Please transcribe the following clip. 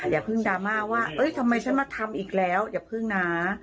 อย่าเพิ่งดราม่าว่าทำไมฉันมาทำอีกแล้วอย่าพึ่งนะ